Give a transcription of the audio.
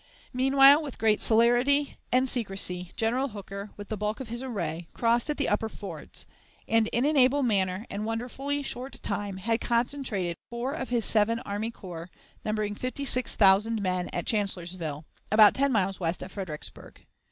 Meanwhile, with great celerity and secrecy, General Hooker, with the bulk of his array, crossed at the upper fords, and, in an able manner and wonderfully short time, had concentrated four of his seven army corps, numbering fifty six thousand men, at Chancellorsville, about ten miles west of Fredericksburg.